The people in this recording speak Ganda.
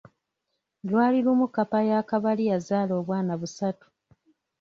Lwali lumu kkapa ya Kabali yazaala obwana busatu.